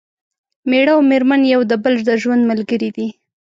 مېړه او مېرمن یو د بل د ژوند ملګري دي